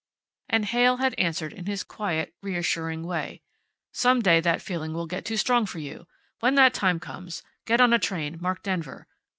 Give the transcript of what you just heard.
And Heyl had answered, in his quiet, reassuring way: "Some day that feeling will get too strong for you. When that time comes get on a train marked Denver.